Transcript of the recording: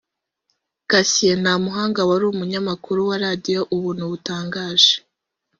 Cassien Ntamuhanga wari umunyamakuru wa Radiyo Ubuntu butangaje